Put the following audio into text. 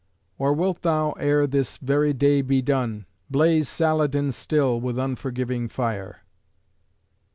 Or wilt thou, ere this very day be done, Blaze Saladin still, with unforgiving fire?